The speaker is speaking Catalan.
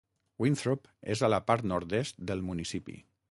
Winthrop és a la part nord-est del municipi.